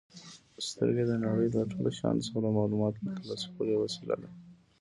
سترګې د نړۍ له ټولو شیانو څخه د معلوماتو ترلاسه کولو یوه وسیله ده.